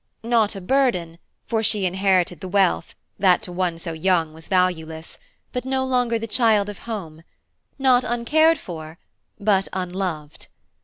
Not a burden, for she inherited the wealth, that to one so young was valueless; but no longer the child of Home, not uncared for, but unloved.